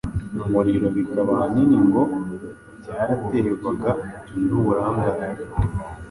umuriro bikaba ahanini ngo byaraterwaga n’uburangare